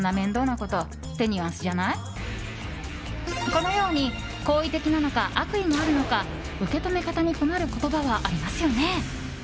このように好意的なのか悪意があるのか受け止め方に困る言葉はありますよね。